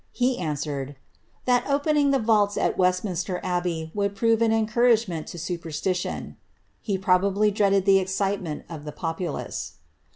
He answered, ^ that opening the vaults at Westminster Abbey would prove an encouragement to super stition." He probably dreaded the excitement of the populace.